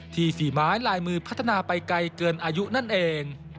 ฝีไม้ลายมือพัฒนาไปไกลเกินอายุนั่นเอง